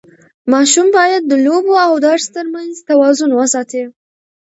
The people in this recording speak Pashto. ماشوم باید د لوبو او درس ترمنځ توازن وساتي.